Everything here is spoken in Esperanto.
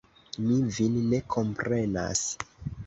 Mi vin ne komprenas!